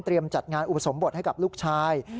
เตรียมจัดงานอุบสมบทให้กับลูกชาย